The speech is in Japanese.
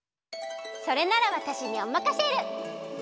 それならわたしにおまかシェル！